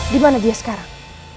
dimana dia sekarang